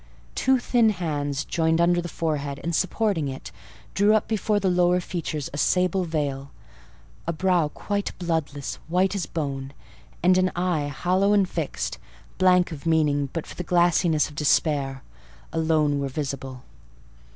Two thin hands, joined under the forehead, and supporting it, drew up before the lower features a sable veil; a brow quite bloodless, white as bone, and an eye hollow and fixed, blank of meaning but for the glassiness of despair, alone were visible.